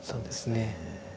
そうですね。